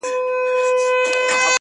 تور او سور، زرغون بیرغ رپاند پر لر او بر